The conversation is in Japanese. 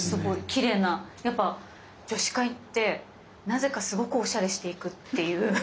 きれいなやっぱ女子会ってなぜかすごくおしゃれして行くっていう。